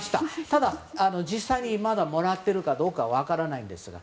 ただ、実際にまだもらっているかどうかは分からないんですが。